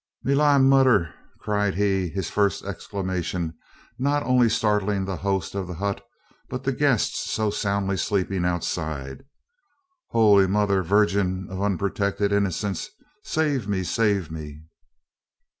"Meliah murdher!" cried he, his first exclamation not only startling the host of the hut, but the guest so soundly sleeping outside. "Howly Mother! Vargin av unpurticted innocence! Save me save me!"